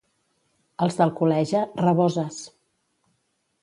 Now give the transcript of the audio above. Els d'Alcoleja, raboses.